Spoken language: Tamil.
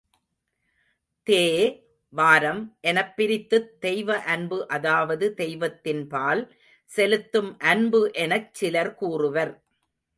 தே வாரம் எனப் பிரித்துத், தெய்வ அன்பு அதாவது தெய்வத்தின்பால் செலுத்தும் அன்பு எனச் சிலர் கூறுவர்.